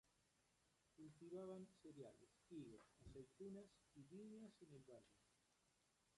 Cultivaban cereales, higos, aceitunas y viñas en el valle.